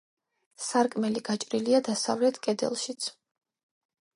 სარკმელი გაჭრილია დასავლეთ კედელშიც.